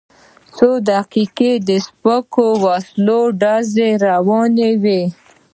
څو دقیقې د سپکو وسلو ډزې روانې وې.